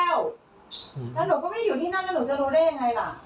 แล้วหนูก็ไม่ได้อยู่ที่นั่นแล้วหนูจะรู้ได้ยังไงล่ะ